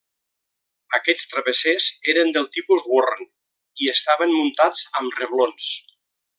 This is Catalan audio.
Aquests travessers eren del tipus Warren i estaven muntats amb reblons.